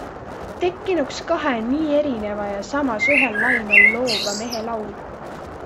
Tekkinuks kahe nii erineva ja samas ühel lainel loova mehe laul.